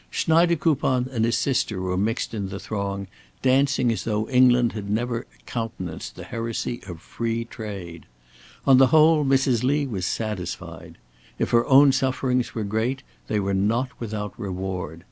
Schneidekoupon and his sister were mixed in the throng, dancing as though England had never countenanced the heresy of free trade. On the whole, Mrs. Lee was satisfied. If her own sufferings were great, they were not without reward.